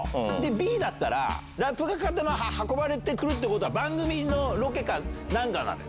Ｂだったらラップがかかったまま運ばれて来るってことは番組のロケか何かなのよ。